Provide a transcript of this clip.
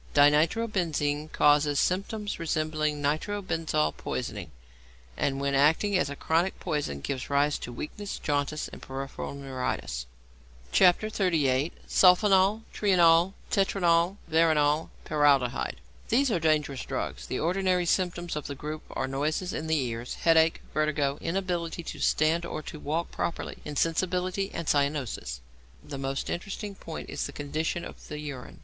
=Dinitrobenzene= causes symptoms resembling nitro benzol poisoning, and when acting as a chronic poison gives rise to weakness, jaundice, peripheral neuritis. XXXVIII. SULPHONAL, TRIONAL, TETRONAL, VERONAL, PARALDEHYDE These are dangerous drugs. The ordinary symptoms of the group are noises in the ears, headache, vertigo, inability to stand or to walk properly, insensibility, and cyanosis. The most interesting point is the condition of the urine.